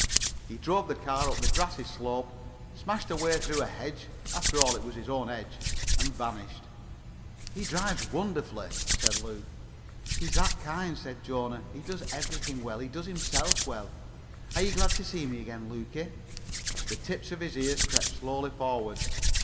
He drove the car up the grassy slope, smashed a way through the hedge—after all, it was his own hedge—and vanished. "He drives wonderfully," said Luke. "He's that kind," said Jona. "He does everything well. He does himself well. Are you glad to see me again, Lukie?" The tips of his ears crept slowly forward.